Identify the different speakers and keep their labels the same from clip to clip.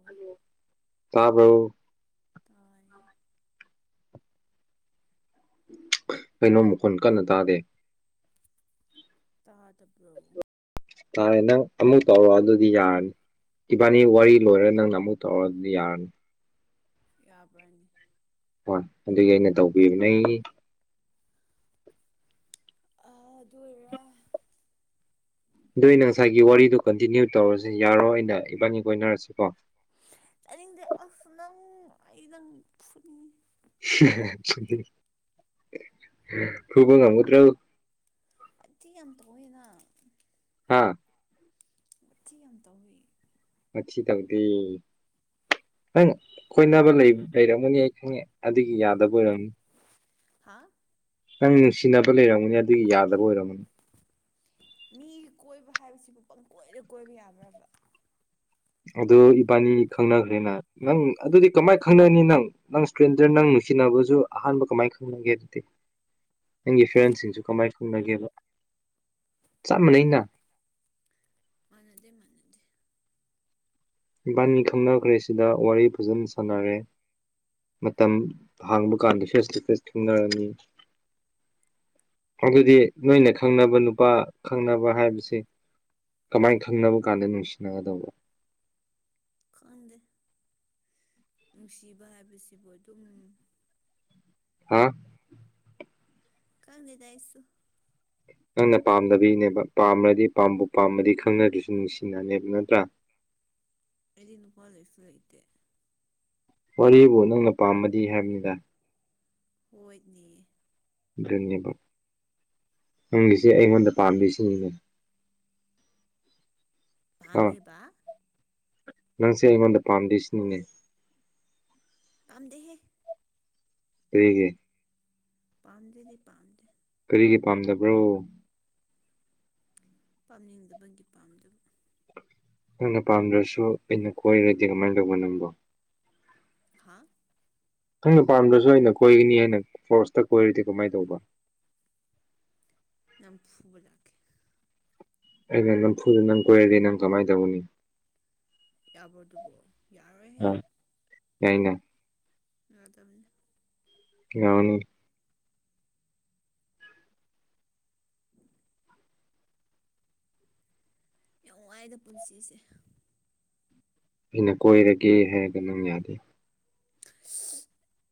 Speaker 1: ꯑꯣ
Speaker 2: ꯇꯥꯕ꯭ꯔꯣ
Speaker 1: ꯇꯥꯏ
Speaker 2: ꯀꯩꯅꯣ ꯃꯈꯣꯟ ꯀꯟꯅ ꯇꯥꯗꯦ
Speaker 1: ꯇꯥꯗꯕ꯭ꯔꯣ
Speaker 2: ꯇꯔꯦ ꯅꯪ ꯑꯃꯨꯛ ꯇꯧꯔꯣ ꯑꯗꯨꯗꯤ ꯌꯥꯔꯅꯤ ꯏꯕꯥꯅꯤ ꯋꯥꯔꯤ ꯂꯣꯏꯔ ꯅꯪꯅ ꯑꯃꯨꯛ ꯇꯧ ꯇꯔꯌꯥꯔꯅꯤ
Speaker 1: ꯌꯥꯕ꯭ꯔꯅꯤ
Speaker 2: ꯍꯣꯏ ꯑꯗꯨꯒꯤ ꯑꯩꯅ ꯇꯧꯕꯤꯕ ꯅꯦ
Speaker 1: ꯑꯗꯨ ꯑꯣꯏꯔ
Speaker 2: ꯑꯗꯨ ꯑꯩꯅ ꯉꯁꯥꯏꯒꯤ ꯋꯥꯔꯤꯗꯣ ꯀꯟꯇꯤꯅ꯭ꯌꯨ ꯇꯧꯔꯁꯤ ꯌꯥꯔꯣ ꯑꯩꯅ ꯏꯕꯥꯟꯒꯤ ꯀꯣꯏꯅꯔꯁꯤꯀꯣ
Speaker 1: ꯇꯅꯤꯡꯗꯦ ꯑꯁ ꯅꯪ ꯑꯩ ꯅꯪ ꯐꯨꯅꯤꯡꯉꯤ
Speaker 2: [unintelligible] ꯐꯨꯕ ꯉꯝꯒꯗ꯭ꯔꯣ
Speaker 1: [unintelligible] ꯇꯧꯋꯦꯅ
Speaker 2: ꯍꯥꯥ
Speaker 1: ꯊꯤ ꯌꯥꯝ ꯇꯧꯋꯤ
Speaker 2: ꯋꯊꯤ ꯇꯧꯗꯦ ꯅꯪ ꯀꯣꯏꯅꯕ ꯂꯩꯔꯝꯒꯅꯤ ꯑꯩ ꯈꯪꯉꯦ ꯑꯗꯨꯒꯤ ꯌꯥꯗꯕ ꯑꯣꯏꯔꯝꯅꯤ
Speaker 1: ꯍꯥꯥ
Speaker 2: ꯅꯪ ꯅꯨꯡꯁꯤꯅꯕ ꯂꯩꯔꯝꯒꯅꯤ ꯑꯗꯨꯒꯤ ꯌꯥꯗꯕ ꯑꯣꯏꯔꯝꯃꯅꯤ꯫
Speaker 1: ꯃꯤꯒꯤ ꯀꯣꯏꯕ ꯍꯥꯏꯕꯁꯤꯕꯨ ꯄꯪ ꯀꯣꯏꯅ ꯀꯣꯏꯕ ꯌꯥꯕ꯭ꯔꯕ
Speaker 2: ꯑꯗꯨꯗꯣ ꯏꯕꯥꯅꯤ ꯈꯪꯅꯈ꯭ꯔꯦꯅ ꯅꯪ ꯑꯗꯨꯗꯤ ꯀꯃꯥꯏꯅ ꯈꯪꯅꯅꯤ ꯅꯪ ꯅꯪ ꯏꯁꯀ꯭ꯔꯤꯟꯗ ꯅꯪ ꯅꯨꯡꯁꯤꯅꯕꯁꯨ ꯑꯍꯥꯟꯕ ꯀꯃꯥꯏꯅ ꯈꯪ ꯑꯗꯨ ꯅꯪꯒꯤ ꯐ꯭ꯔꯦꯟꯁꯤꯡꯁꯨ ꯀꯃꯥꯏ ꯈꯨꯝꯅꯒꯦꯕ ꯆꯞ ꯃꯥꯟꯅꯩꯩꯅ
Speaker 1: ꯃꯥꯅꯗꯦ ꯃꯥꯅꯗꯦ꯫
Speaker 2: ꯏꯕꯥꯅꯤ ꯈꯪꯅꯈ꯭ꯔꯁꯤꯗ ꯋꯥꯔꯤ ꯐꯖꯅ ꯁꯥꯟꯅꯔꯦ꯫ ꯃꯇꯝ ꯍꯥꯡꯕ ꯀꯥꯟꯗ ꯐꯦꯁꯂꯤꯇꯦꯁ ꯈꯦꯡꯅꯔꯝꯅꯤ ꯑꯗꯨꯗꯤ ꯅꯣꯏꯅ ꯈꯪꯅꯕ ꯅꯨꯄꯥ ꯈꯪꯅꯕ ꯍꯥꯏꯕꯁꯦ ꯀꯃꯥꯏ ꯈꯪꯅꯕ ꯀꯥꯟꯗ ꯅꯨꯡꯁꯤꯅꯒꯗꯧꯕ꯫
Speaker 1: ꯈꯪꯗꯦ ꯅꯨꯡꯁꯤꯕ ꯍꯥꯏꯕꯁꯤꯕꯨ ꯑꯗꯨꯝ
Speaker 2: ꯍꯥ
Speaker 1: ꯀ ꯂꯩꯗꯥꯏꯁꯨ
Speaker 2: ꯅꯪꯅ ꯄꯥꯝꯗꯕꯤꯅꯦꯕ ꯄꯥꯝꯃꯔꯗꯤ ꯄꯥꯝꯕꯨ ꯄꯥꯝꯃꯗꯤ ꯈꯪꯅꯗꯨꯁꯨ ꯅꯨꯡꯁꯤꯅꯅꯦꯕ ꯅꯠꯇ꯭ꯔꯥ
Speaker 1: ꯑꯩꯗꯤ ꯅꯨꯄꯥ ꯂꯩꯣꯏꯁꯨ ꯂꯩꯇꯦ
Speaker 2: ꯋꯥꯔꯤꯕꯨ ꯅꯪꯅ ꯄꯥꯝꯃꯗꯤ ꯍꯥꯏꯕꯅꯤꯗ꯫
Speaker 1: ꯍꯣꯏꯅꯦ
Speaker 2: ꯑꯗꯨꯅꯦꯕ ꯅꯪꯒꯤꯁꯤꯦ ꯑꯩꯉꯣꯟꯗ ꯄꯥꯝꯃꯤꯁꯤꯅꯤꯅꯦ ꯑꯥ
Speaker 1: ꯄꯥꯝꯃꯦꯕ
Speaker 2: ꯅꯪꯁꯦ ꯑꯩꯉꯣꯟꯗ ꯄꯥꯝꯗꯣꯏꯁꯤꯅꯤꯅꯦ
Speaker 1: ꯄꯥꯝꯝꯗꯦꯍꯦ꯫
Speaker 2: ꯀꯩꯒꯤ
Speaker 1: ꯄꯗꯦꯗꯤ ꯄꯥꯝꯗꯦ꯫
Speaker 2: ꯀꯔꯤꯒꯤ ꯄꯥꯝꯗꯕ꯭ꯔꯣ
Speaker 1: ꯄꯥꯝꯅꯤꯡꯗꯕꯒꯤ ꯄꯥꯝꯗꯕ꯫
Speaker 2: ꯅꯪꯅ ꯄꯥꯝꯗ꯭ꯔꯁꯨ ꯑꯩꯅ ꯀꯣꯏꯔꯗꯤ ꯀꯃꯥꯏꯅ ꯇꯧꯕ ꯅꯪꯕꯣ꯫
Speaker 1: ꯍꯥꯥ
Speaker 2: ꯅꯪꯅ ꯄꯥꯝꯗ꯭ꯔꯁꯨ ꯑꯩꯅ ꯀꯣꯏꯒꯅꯤ ꯍꯥꯏꯅ ꯐꯣꯔꯁꯇ ꯀꯣꯏꯔꯨꯗꯤ ꯀꯃꯥꯏꯅ ꯇꯧꯕ
Speaker 1: ꯅꯪ ꯐꯨꯕ ꯂꯥꯛꯀꯦ꯫
Speaker 2: ꯑꯩꯅ ꯅꯝꯐꯨꯗ ꯅꯪ ꯀꯣꯏꯔꯗꯤ ꯅꯪ ꯀꯃꯥꯏꯅ ꯇꯧꯅꯤ꯫
Speaker 1: ꯌꯥꯕ꯭ꯔꯣ ꯑꯗꯨꯕꯣ ꯌꯥꯔꯣꯏꯍꯦ꯫
Speaker 2: ꯌꯥꯏꯅ
Speaker 1: ꯌꯥꯗꯕꯅꯤ
Speaker 2: ꯌꯥꯅꯤ
Speaker 1: [unintelligible] ꯌꯥꯝ ꯋꯥꯏꯗ ꯄꯨꯟꯁꯤꯁꯦ
Speaker 2: ꯑꯩꯅ ꯀꯣꯏꯔꯒꯦ ꯍꯥꯏꯔꯒ ꯅꯪ ꯌꯥꯗꯦ꯫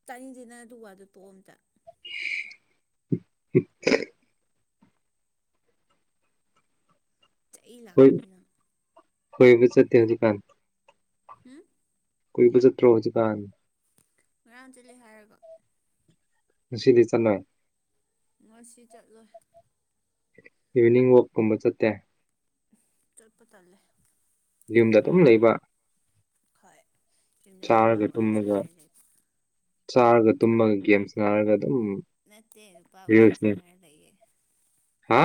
Speaker 1: ꯇꯥꯅꯤꯡꯁꯦ ꯅꯪ ꯑꯗꯨꯒ ꯋꯥꯗꯣ ꯇꯣꯛ ꯑꯝꯇ
Speaker 2: [unintelligible]
Speaker 1: ꯆꯩ ꯂꯥꯛꯀꯅꯤ ꯅꯪ꯫
Speaker 2: ꯍꯣꯏꯕ ꯆꯠꯇ ꯍꯧꯖꯤꯛ ꯀꯥꯟ
Speaker 1: ꯍꯨꯝ
Speaker 2: ꯀꯣꯏꯕ ꯆꯠꯇꯣ ꯍꯧꯖꯤꯛꯀꯥꯟ꯫
Speaker 1: ꯉꯔꯥꯡ ꯆꯠꯂꯦ ꯍꯥꯏꯔꯒ꯫
Speaker 2: ꯅꯨꯡꯁꯤꯗꯤ ꯆꯠꯅꯩ
Speaker 1: ꯉꯁꯤ ꯆꯠꯂꯣꯏ꯫
Speaker 2: ꯏꯚꯅꯤꯡ ꯋꯥꯛꯀꯨꯝꯕ ꯆꯠꯇꯦ
Speaker 1: ꯆꯠꯄ ꯇꯜꯂꯦ꯫
Speaker 2: ꯌꯨꯝꯗ ꯑꯗꯨꯝ ꯂꯩꯕ꯫
Speaker 1: ꯍꯣꯏ ꯌꯨꯝꯅ ꯅꯨꯄꯥ
Speaker 2: ꯆꯥꯔꯒ
Speaker 1: ꯋꯥꯔꯤ ꯋꯥꯔꯤ
Speaker 2: ꯇꯨꯝꯃꯒ
Speaker 1: ꯁꯥꯟꯅꯔ [unintelligible]
Speaker 2: ꯆꯥꯔꯒ ꯇꯨꯝꯃꯒ ꯒꯦꯝꯁ ꯅꯥꯔꯒ ꯑꯗꯨꯝ
Speaker 1: ꯅꯠꯇꯦ ꯅꯨꯄꯥ ꯋꯥꯔꯤ
Speaker 2: ꯔꯤꯜꯁꯅꯦ
Speaker 1: ꯁꯥꯟꯅꯔ ꯂꯩꯌꯦ
Speaker 2: ꯍꯥ꯫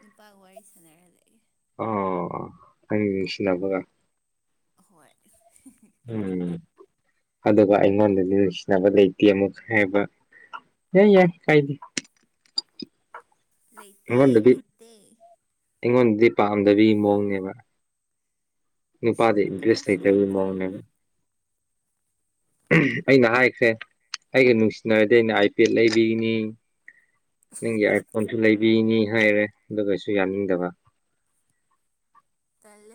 Speaker 1: ꯅꯨꯄꯥꯒ ꯋꯥꯔꯤ ꯁꯥꯟꯅꯔ ꯂꯩ꯫
Speaker 2: ꯑ ꯍꯪ ꯅꯤꯡꯁꯤꯅꯕꯒ
Speaker 1: ꯍꯣꯏ
Speaker 2: ꯎꯝ ꯑꯗꯨꯒ ꯑꯩꯉꯣꯟꯗꯗꯤ ꯅꯨꯡꯁꯤꯅꯕ ꯂꯩꯇꯦ ꯑꯃꯨꯛ ꯍꯥꯏꯕ ꯍ ꯌꯥꯏ ꯀꯥꯏꯗꯤ
Speaker 1: ꯂꯩꯇꯦ ꯂꯩꯇꯦ꯫
Speaker 2: ꯑꯩꯉꯣꯟꯗꯗꯤ ꯄꯥꯝꯗꯕꯒꯤ ꯃꯑꯣꯡꯅꯦꯕ꯫ ꯅꯨꯄꯥꯗ
Speaker 1: ꯅꯨꯡꯁꯤꯅꯕ
Speaker 2: ꯏꯟꯇꯔꯦꯁ
Speaker 1: ꯀꯅꯥꯁꯨ
Speaker 2: ꯂꯩꯇꯕ
Speaker 1: ꯂꯩꯇꯦ
Speaker 2: ꯃꯥꯂꯦꯗ꯫ ꯑꯩꯅ ꯍꯥꯏꯈ꯭ꯔꯦ ꯑꯩꯒ ꯅꯨꯡꯁꯤꯅꯔꯗꯤ ꯑꯩꯅ ꯑꯥꯏꯄꯦꯗ ꯂꯩꯕꯤꯒꯅꯤ꯫ ꯅꯪꯒꯤ ꯑꯥꯏꯠ ꯐꯣꯟꯁꯨ ꯂꯩꯕꯤꯅꯤ ꯍꯥꯏꯔꯦ ꯑꯗꯨꯒꯩꯁꯨ ꯌꯥꯅꯤꯡꯗꯕ
Speaker 1: ꯇꯂꯦ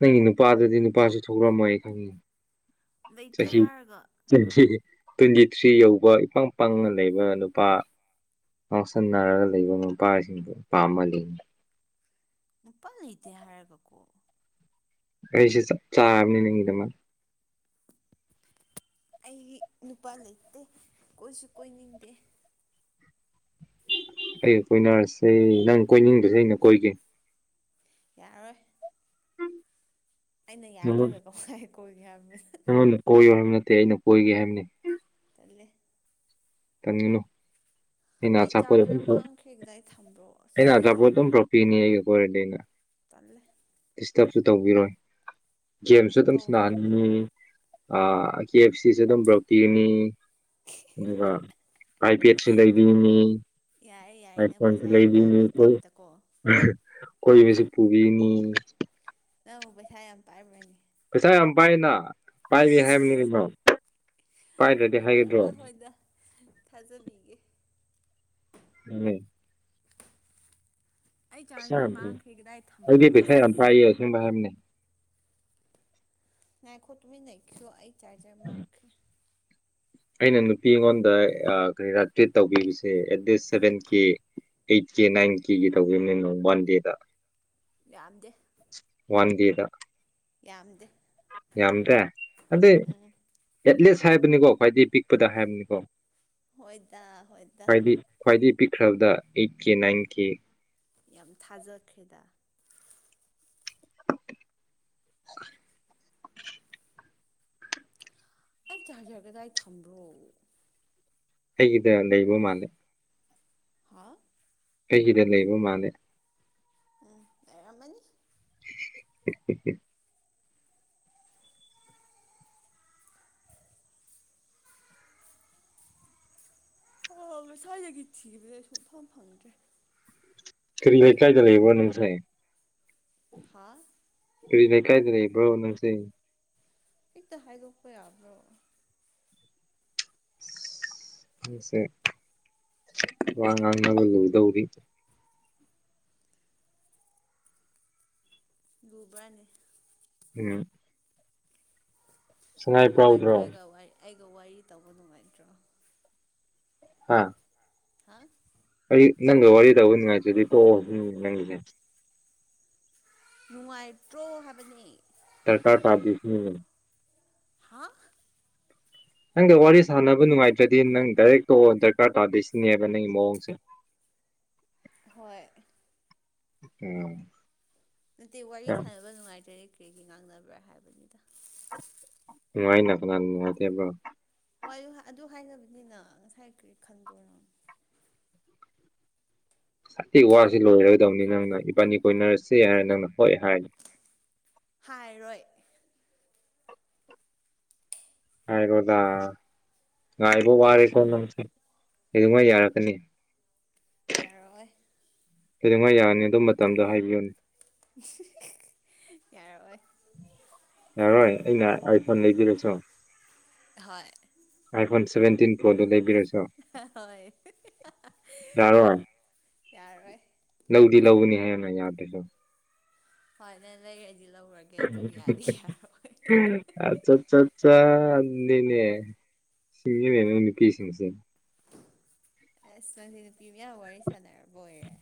Speaker 2: ꯅꯪ ꯅꯨꯄꯥꯗꯗꯤ ꯅꯨꯄꯥꯁꯨ ꯊꯣꯛꯂꯛꯝꯃꯣꯏ ꯈꯪꯉꯤ
Speaker 1: ꯂꯩꯇꯦ
Speaker 2: ꯆꯍꯤ
Speaker 1: ꯍꯥꯏꯔꯒ
Speaker 2: [unintelligible] ꯇ꯭ꯋꯦꯟꯇꯤ ꯊ꯭ꯔꯤ ꯌꯧꯕ ꯏꯄꯪ ꯄꯪꯅ ꯂꯩꯕ ꯅꯨꯄꯥ ꯉꯥꯎꯁꯟꯅꯔꯒ ꯂꯩꯕ ꯅꯨꯄꯥꯁꯤꯡꯗꯨ ꯄꯥꯝꯃ [unintelligible]
Speaker 1: ꯅꯨꯄꯥ ꯂꯩꯇꯦ ꯍꯥꯏꯔꯒꯀꯣ꯫
Speaker 2: ꯑꯩꯁꯦ ꯆꯞ ꯆꯥꯕꯅꯤ ꯅꯒꯤꯗꯃꯛ
Speaker 1: ꯑꯩꯒꯤ ꯅꯨꯄꯥ ꯂꯩꯇꯦ ꯀꯣꯏꯁꯨ ꯀꯣꯏꯅꯤꯡꯗꯦ
Speaker 2: ꯑꯩ ꯀꯣꯏꯅꯔꯁꯦ ꯅꯪ ꯀꯣꯏꯅꯤꯡꯗ꯭ꯔꯖꯨ ꯑꯩꯅ ꯀꯣꯏꯒꯦ꯫
Speaker 1: ꯌꯥꯔꯣꯏ ꯑꯩꯅ ꯌꯥꯗ꯭ꯔꯒ ꯀꯧꯃꯥꯏ ꯀꯣꯏꯒꯦ ꯍꯥꯏꯕ꯭ꯔ
Speaker 2: ꯅ ꯀꯣꯏꯌꯣ ꯍꯥꯏꯕ ꯅꯠꯇꯦ ꯑꯩꯅ ꯀꯣꯏꯒꯦ ꯍꯥꯏꯕꯅꯤ
Speaker 1: ꯇꯂꯦ
Speaker 2: ꯅꯣ ꯑꯩꯅ
Speaker 1: ꯑꯩ
Speaker 2: ꯑꯆꯥꯄꯣꯠ ꯑꯗꯨꯝ
Speaker 1: ꯆꯥꯔꯖꯔ ꯃꯥꯡꯈ꯭ꯔꯦ ꯀꯗꯥꯏ ꯊꯝꯕ꯭ꯔꯣ ꯑꯁ
Speaker 2: ꯑꯩꯅ ꯑꯆꯥꯄꯣꯠ ꯑꯗꯨꯝ ꯄꯤꯅꯤ ꯑꯩꯒ ꯀ꯭ꯋꯥꯔꯦꯟꯇꯅꯥ
Speaker 1: ꯇꯜꯂꯦ
Speaker 2: ꯗꯤꯁꯇꯔꯕꯁꯨ ꯇꯧꯕꯤꯔꯣꯏ ꯒꯦꯝꯁꯨ ꯑꯗꯨꯝ
Speaker 1: ꯇꯧꯒꯅꯤ ꯅꯪ
Speaker 2: ꯁꯅꯥꯍꯟꯒꯅꯤ ꯀꯦ ꯑꯦꯐ ꯁꯤꯁꯨꯦ ꯑꯗꯨꯝ ꯕ꯭ꯔꯣꯀꯤꯅꯤ ꯑꯗꯨꯒ ꯑꯥꯏꯄꯦꯠꯁꯨ ꯂꯩꯕꯤꯅꯤ꯫
Speaker 1: ꯌꯥꯏꯦ ꯌꯥꯏꯌꯦ ꯅꯪ
Speaker 2: ꯑꯥꯏꯐꯣꯟꯁꯨ
Speaker 1: ꯄꯩꯁꯥ ꯌꯥꯝ
Speaker 2: ꯂꯩꯕꯤꯅꯤ
Speaker 1: ꯄꯥꯏꯕꯩ
Speaker 2: ꯀꯣꯏ-
Speaker 1: ꯇꯥꯏꯞꯇ ꯀꯣ
Speaker 2: [unintelligible] ꯀꯣꯏꯕꯁꯨ ꯄꯨꯕꯤꯅꯤ꯫
Speaker 1: ꯅꯪꯕꯨ ꯄꯩꯁꯥ ꯌꯥꯝ ꯄꯥꯏꯕ꯭ꯔꯅꯦ꯫
Speaker 2: ꯄꯩꯁꯥ ꯌꯥꯝ ꯄꯥꯏꯅ ꯄꯥꯏꯔꯤ
Speaker 1: ꯏꯁ
Speaker 2: ꯍꯥꯏꯕꯅꯤꯃꯣ ꯄꯥꯏꯗꯗꯤ
Speaker 1: ꯍꯣꯏꯗ ꯍꯣꯏꯗ ꯊꯥꯖꯕꯤꯒꯦ꯫
Speaker 2: ꯎꯝ꯫
Speaker 1: ꯑꯩ
Speaker 2: ꯄꯩꯁꯥ
Speaker 1: ꯆꯥꯔꯖꯔ
Speaker 2: ꯌꯥꯝ
Speaker 1: ꯃꯥꯡꯈ꯭ꯔꯦ ꯀꯗꯥꯏ ꯊꯝꯕ꯭ꯔꯣ
Speaker 2: ꯑꯩꯈꯣꯗꯤ ꯄꯩꯁꯥ
Speaker 1: ꯑꯁ
Speaker 2: ꯌꯥꯝ ꯄꯥꯏꯌꯦ ꯑꯁꯦꯡꯕ ꯍꯥꯏꯕꯅꯦ꯫
Speaker 1: ꯉꯥꯢꯈꯣ ꯇꯨꯝꯃꯤ ꯂꯩꯈ꯭ꯔꯣ ꯑꯩ ꯆꯥꯖꯔ ꯃꯥꯡꯈ꯭ꯔꯦ꯫
Speaker 2: ꯑꯩꯅ ꯅꯨꯄꯤ ꯑꯩꯉꯣꯟꯗ ꯀꯔꯤꯔꯥ ꯇ꯭ꯔꯤꯠ ꯇꯧꯕꯤꯕꯁꯦ ꯑꯦꯠ ꯗꯦꯠ ꯁꯚꯦꯟ ꯀ ꯑꯩꯠ ꯀꯦ ꯅꯥꯏꯟ ꯀꯦꯒꯤ ꯇꯧꯕꯤꯕꯅꯤ ꯅꯣꯡ ꯋꯥꯟ ꯗꯦꯗ
Speaker 1: ꯌꯥꯝꯗꯦ꯫
Speaker 2: ꯋꯥꯟꯗꯗ
Speaker 1: ꯌꯥꯝꯗꯦ꯫
Speaker 2: ꯌꯥꯝꯗ꯭ꯔꯦ ꯑꯗꯩ
Speaker 1: ꯎꯝ
Speaker 2: ꯑꯦꯠꯂꯤꯁ ꯍꯥꯏꯕꯅꯤꯀꯣ ꯈ꯭ꯋꯥꯏꯗꯒꯤꯩ ꯄꯤꯛꯄꯗ ꯍꯥꯏꯕꯅꯤꯀꯣ
Speaker 1: ꯍꯣꯏꯗ ꯍꯣꯏꯗ
Speaker 2: ꯈ꯭ꯋꯥꯏꯗꯒꯤ ꯈ꯭ꯋꯥꯏꯗꯒꯤ ꯄꯤꯛꯈ꯭ꯔꯕꯗ ꯑꯩꯠ ꯀꯦ ꯅꯥꯏꯟ ꯀꯦ
Speaker 1: ꯌꯥꯝ ꯊꯥꯖꯈ꯭ꯔꯦꯗ
Speaker 2: [unintelligible]
Speaker 1: ꯑꯩ ꯆꯖꯒꯦꯗ ꯑꯩ ꯊꯝꯕ꯭ꯔꯣ
Speaker 2: ꯑꯩꯒꯤꯗ ꯂꯩꯕ ꯃꯥꯜꯂꯦ
Speaker 1: ꯍꯥꯥ
Speaker 2: ꯀꯩꯒꯤꯗ ꯂꯩꯕ ꯃꯥꯜꯂꯦ
Speaker 1: ꯑꯦꯔ ꯑꯃꯅꯤꯅꯤ
Speaker 2: ꯎ ꯎ ꯎꯝ
Speaker 1: ꯏꯁꯥꯗꯒꯤ ꯊꯤꯕꯗꯦ ꯑꯩ ꯁꯨꯡꯐꯝ ꯐꯪꯗ꯭ꯔꯦ
Speaker 2: ꯀꯔꯤ ꯂꯩ ꯀꯥꯏꯗ ꯂꯩꯕꯣ ꯅꯅꯨꯡꯁꯥꯏ
Speaker 1: ꯍꯥꯥ
Speaker 2: ꯀ ꯂꯩꯀꯥꯏꯗ ꯂꯩꯕ꯭ꯔꯣ ꯅꯁ
Speaker 1: ꯍꯤꯛꯇ ꯍꯥꯏꯗꯣꯛꯄ ꯌꯥꯕ꯭ꯔꯣ
Speaker 2: ꯁꯦ ꯋꯥ ꯉ ꯉꯥꯡꯅꯒ ꯂꯗꯧꯔꯤ
Speaker 1: ꯂꯨꯕ꯭ꯔꯅꯤ
Speaker 2: ꯎꯝ ꯁꯉꯥꯏ
Speaker 1: ꯅꯨꯡꯉꯥꯏꯇ꯭ꯔꯥ
Speaker 2: ꯄ꯭ꯔꯥꯎꯗ꯭ꯔꯣ
Speaker 1: ꯑꯩꯒ ꯑꯩꯒ ꯋꯥꯔꯤ ꯇꯧꯕ ꯅꯨꯡꯉꯥꯏꯇ꯭ꯔꯣ
Speaker 2: ꯍꯥꯥ
Speaker 1: ꯍꯥꯥ
Speaker 2: ꯑꯩ ꯅꯪꯒ ꯋꯥꯔꯤ ꯇꯧꯕ ꯅꯨꯡꯉꯥꯏꯁꯤꯗꯤ ꯄꯣꯛꯑꯣ ꯍꯧ ꯅꯪꯒꯤꯁꯦ
Speaker 1: ꯅꯨꯡꯉꯥꯏꯇ꯭ꯔꯣ ꯍꯥꯏꯕꯅꯤ
Speaker 2: ꯁꯔꯀ ꯄꯥꯁꯁꯤ
Speaker 1: ꯍꯥꯥ
Speaker 2: ꯅꯪꯒ ꯋꯥꯔꯤ ꯁꯥꯟꯅꯕ ꯅꯨꯡꯉꯥꯏꯇ꯭ꯔꯗꯤ ꯅꯪ ꯗꯥꯏꯔꯦꯛ ꯇꯣ ꯗꯔꯀꯥꯔ ꯇꯥꯗꯣꯏꯁꯤꯅꯦꯕ ꯅꯪꯒꯤ ꯃꯑꯣꯡꯁꯦ
Speaker 1: ꯍꯣꯏ
Speaker 2: ꯎꯝ
Speaker 1: ꯅꯠꯇꯦ ꯋꯥꯔꯤ
Speaker 2: ꯌꯥꯝ
Speaker 1: ꯁꯥꯟꯅꯕ ꯅꯨꯡꯉꯥꯏꯇꯔꯦ ꯀꯔꯤꯒꯤꯩ ꯉꯥꯡꯅꯕ꯭ꯔꯥ ꯍꯥꯏꯕꯅꯤꯗ
Speaker 2: ꯅꯨꯡꯉꯥꯏꯅ ꯀꯅꯥ ꯅꯨꯡꯉꯥꯏꯗꯦꯕ꯭ꯔꯣ
Speaker 1: ꯍꯣꯏ ꯑꯗꯨ ꯍꯥꯏꯅꯕꯅꯤꯅ ꯉꯁꯥꯏ ꯀꯔꯤ ꯈꯟꯕ꯭ꯔꯣꯅꯣ
Speaker 2: ꯁꯇꯤ ꯋꯥꯁꯤ ꯂꯣꯏꯔꯣꯏꯗꯕꯅꯤ ꯅꯪꯅ ꯏꯕꯥꯅꯤ ꯀꯣꯏꯅꯔꯁ ꯍꯥꯏꯔꯦ ꯅꯪꯅ ꯍꯣꯏ ꯍꯥꯏꯅꯤ
Speaker 1: ꯍꯥꯏꯔꯣꯏ
Speaker 2: ꯍꯥꯏꯕꯗ ꯉꯥꯏꯕ ꯋꯥꯔꯦꯀꯣ ꯅꯪꯁ ꯀꯩꯃ ꯌꯥꯔꯛꯀꯅꯤ
Speaker 1: ꯌꯥꯔꯣꯏ
Speaker 2: ꯀꯩꯗꯧꯉꯥꯏ ꯌꯥꯔꯅꯤ ꯑꯗꯨꯝ ꯃꯇꯝꯗꯣ ꯍꯥꯏꯕꯤꯌꯨꯅꯦ
Speaker 1: ꯌꯥꯔꯑꯣꯏ
Speaker 2: ꯌꯥꯔꯣꯏ ꯑꯩꯅ ꯑꯥꯏꯐꯣꯟ ꯂꯩꯕꯤꯔꯁꯨ
Speaker 1: ꯍꯣꯏ
Speaker 2: ꯑꯥꯏ ꯐꯣꯟ ꯁꯚꯦꯟꯇꯤꯟ ꯄ꯭ꯔꯣꯗꯣ ꯂꯩꯕꯤꯔꯁꯦ
Speaker 1: ꯍꯣꯏ
Speaker 2: ꯌꯥꯔꯣꯏ
Speaker 1: ꯌꯥꯔꯣꯏ
Speaker 2: ꯂꯧꯗꯤ ꯂꯧꯅꯤ ꯍꯥꯏꯌꯦꯅ ꯌꯥꯗ꯭ꯔꯁꯨ
Speaker 1: ꯍꯅꯦ ꯂꯩ ꯔꯦꯗꯤ ꯂꯔꯒꯦ
Speaker 2: ꯑꯆꯥꯠ ꯑꯠꯆꯥꯅꯤꯅꯦ ꯁꯤꯁꯤꯡꯅꯦꯅ ꯎꯅꯤꯄꯤꯁꯤꯅꯁꯦ
Speaker 1: ꯑꯁ ꯅꯪꯁꯤ ꯅꯨꯄꯤ ꯃꯌꯥꯝ ꯋꯥꯔꯤ ꯁꯥꯟꯅꯔꯕ ꯑꯣꯏꯔꯦ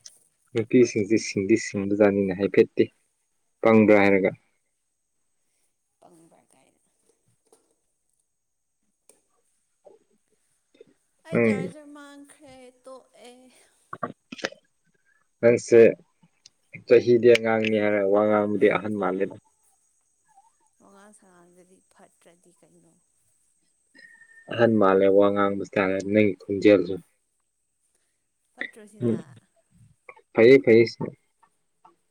Speaker 2: ꯅꯨꯄꯤꯁꯤꯡꯁꯤ ꯁꯤꯡꯗꯤ ꯁꯤꯡꯕꯖꯥꯠꯅꯤꯅ ꯍꯥꯏꯐꯦꯠꯇꯦ ꯄꯪꯗ꯭ꯔꯥ ꯍꯥꯏꯔꯒ
Speaker 1: ꯄꯪꯕ꯭ꯔꯔ ꯀꯥꯏꯗꯅ ꯑꯩ
Speaker 2: ꯅꯪ
Speaker 1: ꯖꯥꯔꯖꯔ ꯃꯥꯡꯈ꯭ꯔꯦ ꯇꯣ ꯑꯦ
Speaker 2: ꯑꯩꯁ ꯆꯍꯤꯗꯤ ꯑꯉꯥꯡꯅꯤ ꯍꯥꯏꯔꯒ ꯋꯥ ꯉꯥꯡꯕꯗꯤ ꯑꯍꯟ ꯃꯥꯜꯂꯦꯗ
Speaker 1: ꯃꯉꯥꯡ ꯁꯉꯥꯡꯗꯗꯤ ꯐꯠꯇ꯭ꯔꯗꯤ ꯀꯩꯅꯣ
Speaker 2: ꯑꯍꯟ ꯃꯥꯜꯂꯦ ꯋꯥ ꯉꯥꯡꯕꯁꯤꯁꯨ ꯇꯥꯜꯂꯦ ꯅꯪꯒꯤ ꯈꯣꯟꯖꯦꯜꯁꯨ
Speaker 1: ꯐꯠꯇ꯭ꯔꯣꯁꯤꯅ
Speaker 2: ꯐꯌꯦ ꯐꯥꯏ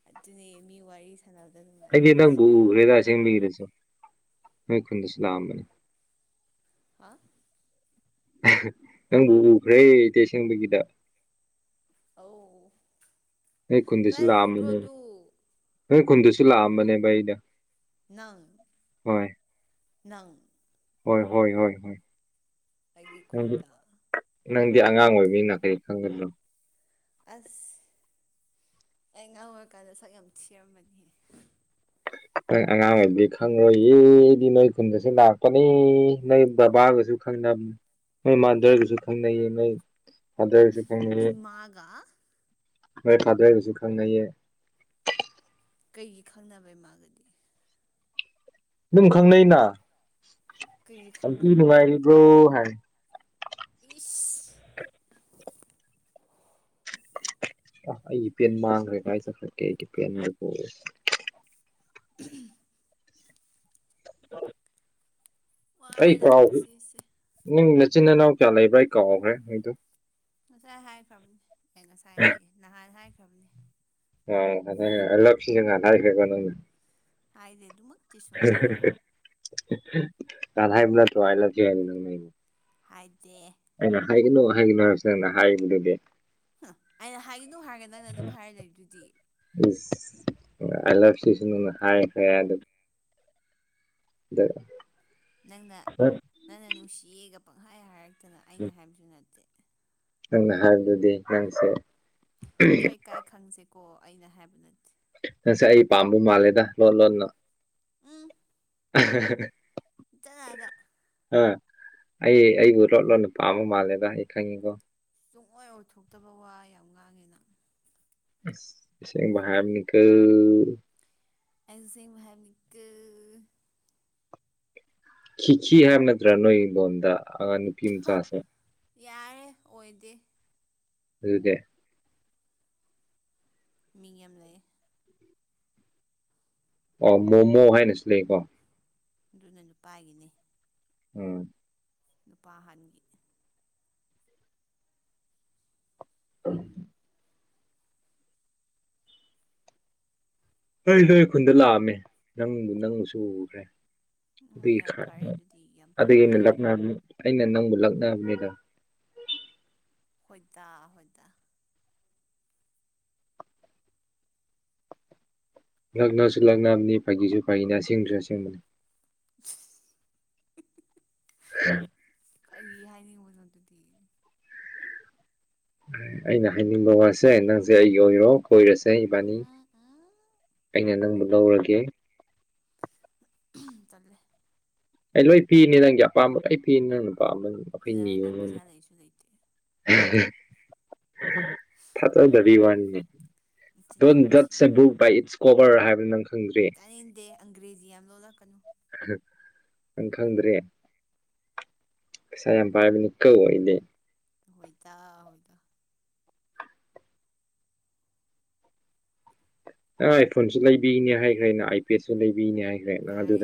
Speaker 1: ꯑꯗꯨꯅꯦ ꯃꯤ ꯋꯥꯔꯤꯁ [unintelligible]
Speaker 2: ꯑꯩꯗꯤ ꯅꯪꯕꯨ ꯎꯈ꯭ꯔꯦꯗ ꯑꯁꯦꯡꯕꯤꯔꯁꯦ ꯅꯣꯏ ꯈꯨꯟꯗꯁꯨ ꯂꯥꯛꯑꯝꯕꯅꯦ꯫
Speaker 1: ꯍꯥ
Speaker 2: ꯅꯪꯕꯨ ꯎꯈ꯭ꯔꯦꯗꯤ ꯁꯦꯡꯕꯒꯤꯗ꯫
Speaker 1: ꯑꯣ
Speaker 2: ꯅꯣꯏ ꯈꯨꯟꯗꯁꯨ
Speaker 1: ꯀꯥꯏ ꯎꯕ꯭ꯔꯣ
Speaker 2: ꯂꯥꯛꯑꯝꯕꯅꯦ
Speaker 1: ꯑꯗꯨ
Speaker 2: ꯅꯣꯏ ꯈꯨꯨꯟꯗꯨꯁꯨ ꯂꯥꯛꯑꯝꯕꯅꯦꯕ ꯑꯩꯗ
Speaker 1: ꯅꯪ ꯅꯪ
Speaker 2: ꯍꯣꯏ ꯍꯣꯏ ꯍꯣꯏ ꯍꯣꯏ
Speaker 1: ꯑꯩꯒꯤ
Speaker 2: ꯅꯪꯗꯤ
Speaker 1: ꯈꯨꯟꯗ
Speaker 2: ꯅꯪꯗꯤ ꯑꯉꯥꯡ ꯑꯣꯏꯕ ꯃꯤꯅ ꯀꯔꯤ ꯈꯪꯒꯅꯤ ꯫
Speaker 1: ꯑꯁ ꯑꯩ ꯉꯥꯡ ꯑꯣꯏꯔꯀꯥꯟꯗ ꯁꯛ ꯌꯥꯝ ꯊꯤꯔꯝꯕꯅꯤꯍꯦ꯫
Speaker 2: ꯅꯪ ꯑꯉꯥꯡ ꯑꯣꯏꯕꯗꯤ ꯈꯪꯂꯪꯂꯣꯏꯌꯦꯗꯤ ꯅꯣꯏ ꯈꯨꯟꯗꯁꯨ ꯂꯥꯛꯄꯅꯤ ꯅꯣꯏ ꯕꯕꯥꯒꯁꯨ꯫ ꯈꯅꯕ ꯃꯣꯏ ꯃꯥꯗꯔꯒꯁꯨ ꯈꯪꯅꯩꯌꯦ ꯅꯣꯏ ꯃꯥꯗꯔꯒꯁꯨ ꯈꯪꯅꯩꯌꯦ
Speaker 1: ꯏꯃꯥꯒ
Speaker 2: ꯃꯣꯏ ꯐꯥꯗ ꯍꯥꯏꯒꯁꯨ ꯈꯪꯅꯩꯌꯦ꯫
Speaker 1: ꯀꯩꯒꯤ ꯈꯪꯅꯕꯩ ꯃꯥꯒꯗꯤ꯫
Speaker 2: ꯑꯗꯨꯝ ꯈꯪꯅꯩꯩꯅ
Speaker 1: ꯀꯩꯒꯤ
Speaker 2: ꯑꯛ
Speaker 1: ꯈꯪꯅꯕ
Speaker 2: ꯅꯨꯡꯉꯥꯏꯔꯤꯕꯔꯤꯕ꯭ꯔꯣ ꯍꯥꯏ
Speaker 1: ꯏꯁ
Speaker 2: ꯑ ꯑꯩꯒꯤ ꯄꯦꯟ ꯃꯥꯡꯈ꯭ꯔꯦ ꯀꯥꯏꯖꯈ꯭ꯔꯀꯦ ꯑꯩꯒꯤ ꯄꯦꯟꯕꯨ
Speaker 1: ꯎꯝ
Speaker 2: ꯀꯩ
Speaker 1: ꯋꯥꯔꯦꯗ
Speaker 2: ꯀꯥꯎ
Speaker 1: ꯄꯨꯟꯁꯤꯁꯦ
Speaker 2: ꯅꯪ ꯃꯆꯤꯟ ꯏꯅꯥꯎ ꯀꯌꯥ ꯂꯩꯕ꯭ꯔꯥ ꯑꯩ ꯀꯥꯎꯈ꯭ꯔꯦ
Speaker 1: ꯉꯁꯥꯏ ꯍꯥꯏꯈ꯭ꯔꯕꯅꯤ ꯑꯩ ꯉꯁꯥꯏ ꯍꯥꯏꯌꯦ ꯅꯍꯥꯟ ꯍꯥꯏꯈ꯭ꯔꯕꯅꯦ꯫
Speaker 2: ꯍꯣꯏ ꯍꯜꯂꯞ ꯁꯤꯖꯤꯟ ꯇꯈ꯭ꯔꯒꯣ ꯑꯅ
Speaker 1: ꯍꯥꯏꯗꯦ ꯑꯗꯨꯃꯛ
Speaker 2: ꯀꯊꯥꯏꯕꯨꯂ ꯇ ꯑꯥꯏꯂꯖꯤ
Speaker 1: ꯍꯥꯏꯗꯦ꯫
Speaker 2: ꯑꯩꯅ ꯍꯥꯏꯒꯅꯨ ꯍꯥꯏꯒꯅꯣ ꯍꯥꯏꯔꯁꯦ ꯑꯅ ꯍꯥꯏꯔꯤꯕꯗꯨꯗꯤ꯫
Speaker 1: ꯑ ꯑꯩꯅ ꯍꯥꯏꯒꯗ ꯍꯥꯏꯔꯒꯦ ꯅꯪꯩꯅ ꯑꯗꯨꯝ ꯍꯥꯏꯔ ꯂꯩ ꯑꯗꯨꯗꯤ꯫
Speaker 2: ꯏꯁ ꯑꯥꯏꯂꯞ ꯁꯤꯁꯨ ꯅꯅ ꯍꯥꯏꯈ꯭ꯔꯦ ꯑꯗꯨ ꯑꯗꯨ
Speaker 1: ꯅꯪꯅ ꯅꯪꯅ ꯅꯨꯡꯁꯤꯒ ꯄꯪꯍꯥꯏ ꯍꯥꯏꯔꯛꯇꯅ ꯑꯩꯅ ꯍꯥꯏꯕꯁꯨ ꯅꯠꯇꯦ꯫
Speaker 2: ꯅꯪꯅ ꯍꯥꯏꯕꯗꯨꯗꯤ ꯍꯥꯏꯔꯁꯨ
Speaker 1: ꯈꯔꯥ ꯢꯀꯥꯏ ꯈꯪꯁꯦꯀꯣ ꯑꯩꯅ ꯍꯥꯏꯕ ꯅꯠꯇꯦ꯫
Speaker 2: ꯅꯁ ꯑꯩ ꯄꯥꯝꯕ ꯃꯥꯜꯂꯦꯗ ꯂꯣꯟ ꯂꯣꯟꯅ꯫
Speaker 1: ꯎꯝ
Speaker 2: [unintelligible]
Speaker 1: [unintelligible]
Speaker 2: ꯑ ꯑꯩ ꯑꯩꯕꯨ ꯂꯣꯠꯂꯣꯠ ꯄꯥꯝꯕ ꯃꯥꯜꯂꯦꯗ ꯑꯩ ꯈꯪꯉꯤꯀꯣ
Speaker 1: ꯇꯨꯡꯑꯣꯏ ꯑꯣꯊꯣꯛꯇꯕ ꯋꯥ ꯌꯥꯝ ꯉꯥꯡꯉꯦ ꯅꯪ
Speaker 2: ꯎꯝ ꯑꯁꯦꯡꯕ ꯍꯥꯢꯕꯅꯤꯀꯣ
Speaker 1: ꯑꯩ ꯑꯁꯦꯡꯕ ꯍꯥꯏꯅꯤꯀꯣ
Speaker 2: ꯈꯤꯈꯤ ꯍꯥꯏꯕ ꯅꯠꯇ꯭ꯔꯥ ꯅꯣꯏ ꯏꯤꯡꯗꯣꯟꯗ ꯑꯥꯡ ꯅꯨꯄꯤ
Speaker 1: ꯍꯥ
Speaker 2: ꯃꯆꯥꯁꯦ꯫
Speaker 1: ꯌꯥꯔꯦ ꯑꯣꯏꯗꯦ꯫
Speaker 2: ꯑꯗꯨꯗꯦ꯫
Speaker 1: ꯃꯤ ꯌꯥꯝ ꯂꯩꯌꯦ꯫
Speaker 2: ꯑꯣ ꯃꯣꯃꯣ ꯍꯥꯏꯅꯁꯨ ꯂꯩꯀꯣ꯫
Speaker 1: ꯑꯗꯨꯅ ꯅꯨꯄꯥꯒꯤꯅꯦ꯫
Speaker 2: ꯎꯝ
Speaker 1: ꯅꯨꯄꯥ ꯑꯍꯟꯒꯤ
Speaker 2: [unintelligible] ꯍꯣꯏ ꯅꯣꯏ ꯑꯩ ꯈꯨꯟꯗ ꯂꯥꯛꯑꯝꯃꯦ ꯅꯪꯕꯨ ꯅꯪꯁꯨ ꯎꯈ꯭ꯔꯦ꯫
Speaker 1: ꯑꯣ
Speaker 2: ꯑꯗꯨꯒꯤ
Speaker 1: ꯌꯥꯝ
Speaker 2: ꯈꯔ
Speaker 1: ꯐꯔꯦ ꯑꯗꯨꯗꯤ ꯌꯥꯝ
Speaker 2: ꯑꯗꯨꯒꯤ
Speaker 1: ꯐꯔꯦ
Speaker 2: ꯑꯩꯅ ꯑꯩꯅ ꯅꯪꯕꯨ ꯂꯛꯅꯕꯅꯤꯗ꯫
Speaker 1: ꯍꯣꯏꯗꯥ ꯍꯣꯏꯗꯥ꯫
Speaker 2: ꯂꯛꯅꯁꯨ ꯂꯛꯅꯕꯅꯤ ꯐꯥꯒꯤꯁꯨ ꯐꯥꯒꯤꯅꯤ ꯑꯁꯦꯡꯕꯁꯨ ꯑꯁꯦꯡꯕꯅꯤ꯫
Speaker 1: [unintelligible]
Speaker 2: [unintelligible]
Speaker 1: ꯀꯔꯤ ꯍꯥꯏꯅꯤꯡꯕꯅꯣ ꯑꯗꯨꯗꯤ?
Speaker 2: ꯑꯩꯅ ꯍꯥꯏꯅꯤꯡꯕ ꯋꯥꯁꯦ ꯅꯪꯁꯦ ꯑꯩꯒꯤ ꯑꯣꯏꯔꯣ ꯀꯣꯏꯔꯁꯦ
Speaker 1: ꯎꯝ
Speaker 2: ꯏꯕꯥꯅꯤ꯫ ꯑꯩꯅ ꯅꯪꯕꯨ ꯂꯧꯔꯒꯦ꯫
Speaker 1: ꯇꯜꯂꯦ
Speaker 2: ꯑꯩ ꯂꯣꯏ ꯄꯤꯅꯤ ꯅꯪꯒꯤ ꯑꯄꯥꯝꯕ ꯂꯣꯏ ꯄꯤꯅꯤ ꯅꯪ ꯅꯨꯄꯥꯝꯕ ꯑꯈꯣꯏ
Speaker 1: ꯌꯥꯔꯦ
Speaker 2: ꯅꯤꯌꯨ
Speaker 1: ꯅꯪ ꯄꯩꯁꯥ ꯂꯩꯁꯨ ꯂꯩꯇꯦ
Speaker 2: ꯊꯥꯖꯗꯕꯤ ꯋꯥꯅꯤꯅꯦ ꯫
Speaker 1: ꯅꯆꯤꯟ
Speaker 2: ꯗꯣꯟ
Speaker 1: ꯌꯥꯝ
Speaker 2: ꯖꯠꯁ
Speaker 1: ꯊꯤꯌꯦ
Speaker 2: a book by its cover ꯍꯥꯏꯕꯗꯨ ꯅꯪ ꯈꯪꯗ꯭ꯔꯤ꯫
Speaker 1: ꯇꯥꯅꯤꯡꯗꯦ ꯑꯪꯒ꯭ꯔꯦꯖꯤ ꯌꯥꯝ ꯑꯣꯜꯂꯛꯀꯅꯨ꯫
Speaker 2: ꯅꯪ ꯈꯪꯗ꯭ꯔꯦ ꯄꯩꯁꯥ ꯌꯥꯝ ꯄꯥꯏꯕꯅꯤꯀꯣ ꯑꯩꯗꯤ
Speaker 1: ꯍꯣꯏꯇꯥ ꯍꯣꯏꯗꯥ
Speaker 2: ꯑꯥꯏ ꯐꯣꯟꯁꯨ ꯂꯩꯕꯤꯅꯦ ꯍꯥꯏꯈ꯭ꯔꯦ ꯅ ꯑꯥꯏ ꯄꯦꯗꯁꯨ ꯂꯩꯕꯤꯅꯦ ꯍꯥꯏꯈ꯭ꯔꯦ ꯅꯪ
Speaker 1: ꯌꯥꯔꯦ
Speaker 2: ꯑꯗꯨꯗ